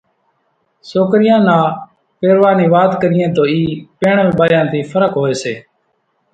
سوڪريان نا پيرواۿ نِي وات ڪريئين تو اِي پيڻل ٻايان ٿِي ڦرق هوئيَ سي۔